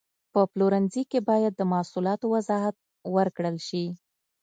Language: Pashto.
په پلورنځي کې باید د محصولاتو وضاحت ورکړل شي.